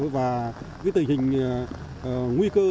và tình hình nguy cơ